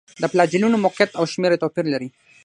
د فلاجیلونو موقعیت او شمېر یې توپیر لري.